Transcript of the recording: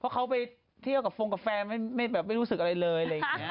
เพราะเขาไปทีเที่ยวกับฟงกับแฟนไม่รู้สึกอะไรเลย